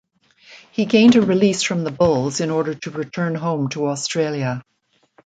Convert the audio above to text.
He gained a release from the Bulls in order to return home to Australia.